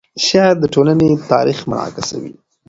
شعر د ټولنې تاریخ منعکسوي.